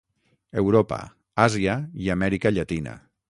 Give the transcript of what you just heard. Europa, Àsia i Amèrica Llatina.